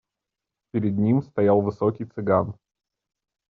Пред ним стоял высокий цыган.